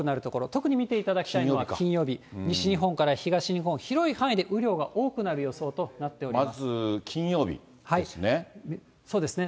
特に見ていただきたいのは金曜日、西日本から東日本、広い範囲で雨量が多くなる予想となっています。